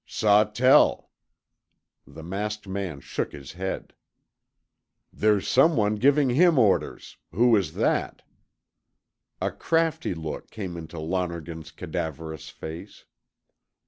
"Sawtell." The masked man shook his head. "There's someone giving him orders; who is that?" A crafty look came into Lonergan's cadaverous face.